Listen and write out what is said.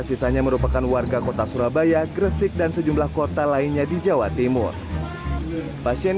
sisanya merupakan warga kota surabaya gresik dan sejumlah kota lainnya di jawa timur pasien